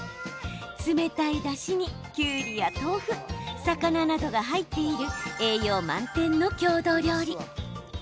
冷たいだしに、きゅうりや豆腐魚などが入っている栄養満点の郷土料理。